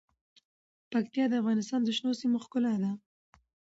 پکتیا د افغانستان د شنو سیمو ښکلا ده.